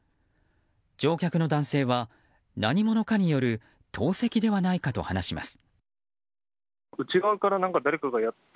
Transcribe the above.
乗客の男性は何者かによる投石ではないかと話します。